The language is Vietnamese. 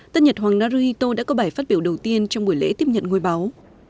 tân nhật hoàng naruhito đã có bài phát biểu đầu tiên trong buổi lễ tiếp nhận ngôi báo